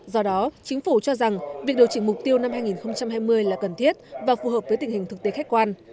do đó chính phủ cho rằng việc điều chỉnh mục tiêu năm hai nghìn hai mươi là cần thiết và phù hợp với tình hình thực tế khách quan